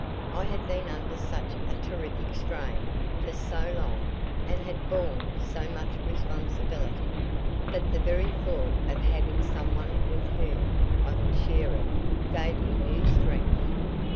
I had been under such a terrific strain for so long and had borne so much responsibility, that the very thought of having someone with whom I could share it gave me new strength.